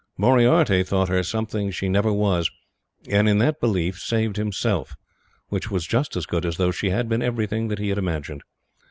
Moriarty thought her something she never was, and in that belief saved himself. Which was just as good as though she had been everything that he had imagined.